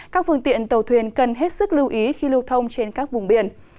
các phương tiện tàu thuyền cần hết sức lưu ý khi lưu thông trên các vùng biển